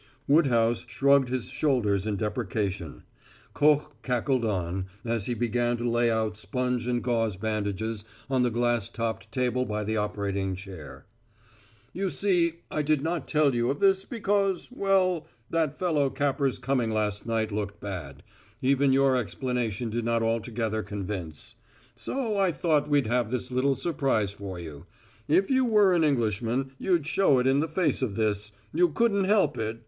Woodhouse shrugged his shoulders in deprecation. Koch cackled on, as he began to lay out sponge and gauze bandages on the glass topped table by the operating chair: "You see, I did not tell you of this because well, that fellow Capper's coming last night looked bad; even your explanation did not altogether convince. So I thought we'd have this little surprise for you. If you were an Englishman you'd show it in the face of this you couldn't help it.